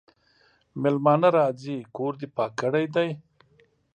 مېلمانه راځي کور دي پاک کړی دی؟